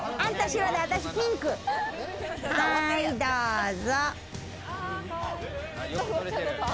はい、どうぞ。